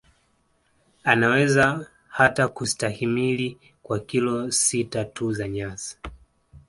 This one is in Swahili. Anaweza hata kustahimili kwa kilo sita tu za nyasi